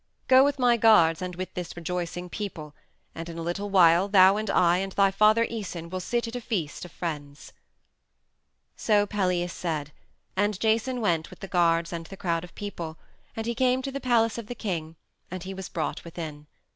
Go with my guards and with this rejoicing people, and in a little while thou and I and thy father Æson will sit at a feast of friends." So Pelias said, and Jason went with the guards and the crowd of people, and he came to the palace of the king and he was brought within.